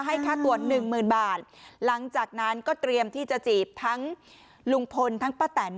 ให้ค่าตัวหนึ่งหมื่นบาทหลังจากนั้นก็เตรียมที่จะจีบทั้งลุงพลทั้งป้าแตน